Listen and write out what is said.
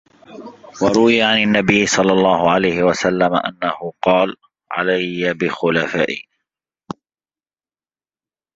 وَرُوِيَ عَنْ النَّبِيِّ صَلَّى اللَّهُ عَلَيْهِ وَسَلَّمَ أَنَّهُ قَالَ عَلَيَّ بِخُلَفَائِي